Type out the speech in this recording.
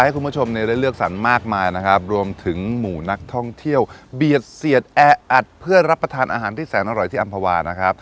ให้คุณผู้ชมเนี่ยได้เลือกสรรมากมายนะครับรวมถึงหมู่นักท่องเที่ยวเบียดเสียดแออัดเพื่อรับประทานอาหารที่แสนอร่อยที่อำภาวานะครับ